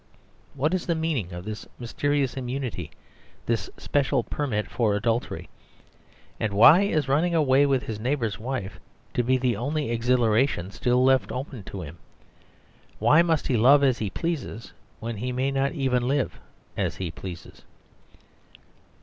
What is the mean ing of this mysterious immunity, this special permit for adultery ; and why is running away with his neighbour's wife to be the only ex hilaration still left open to him? Why must he love as he pleases ; when he may not even live as he pleases?